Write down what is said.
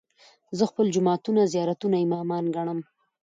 زه خپل جوماتونه، زيارتونه، امامان ګټم